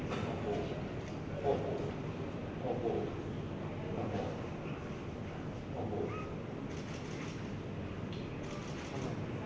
เป็นศรีหัวโอ้โหยอดกันเลยนะเนี่ยนะ